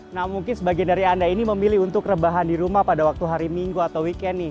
nah mungkin sebagian dari anda ini memilih untuk rebahan di rumah pada waktu hari minggu atau weekend nih